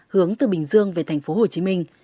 hướng từ bình dương về tp hcm